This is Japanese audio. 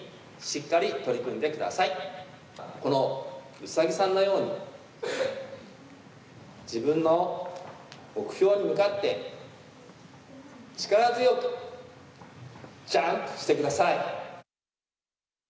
うさぎさんのように自分の目標に向かって力強くジャンプしてください。